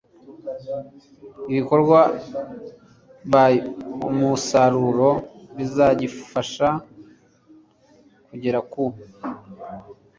bikorwa by umusaruro bizagifasha kugera ku